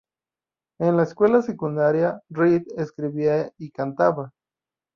En la escuela secundaria, Reed escribía y cantaba.